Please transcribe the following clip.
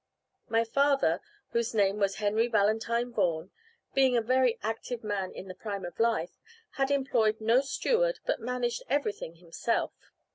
My father (whose name was Henry Valentine Vaughan), being a very active man in the prime of life, had employed no steward, but managed everything himself.